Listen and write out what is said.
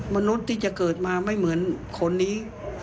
มนุษย์ที่จะเกิดมาไม่เหมือนคนนี้